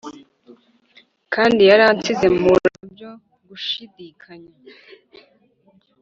kandi yaransize mpura nabyo - gushidikanya.